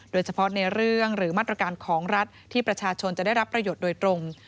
โดยเฉพาะในเรื่องหรือมาตรการของรัฐที่ประชาชนจะได้รับประโยชน์โดยตรง